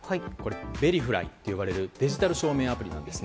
ＶｅｒｉＦＬＹと呼ばれるデジタル証明アプリなんです。